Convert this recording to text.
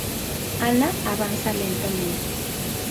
Ana avanza lentamente.